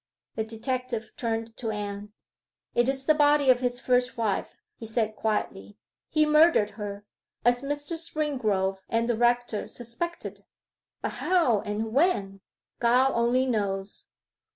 The detective turned to Anne. 'It is the body of his first wife,' he said quietly. 'He murdered her, as Mr. Springrove and the rector suspected but how and when, God only knows.